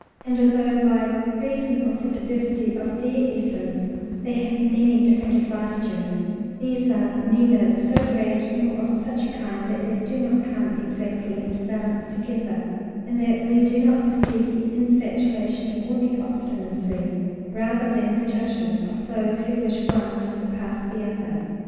And although by reason of the diversity of their essence they have many different advantages, these are neither so great nor of such a kind that they do not come exactly into balance together and that we do not perceive the infatuation or the obstinacy, rather than the judgment, of those who wish one to surpass the other.